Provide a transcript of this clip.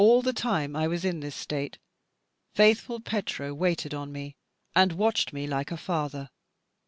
All the time I was in this state, faithful Petro waited on me, and watched me like a father.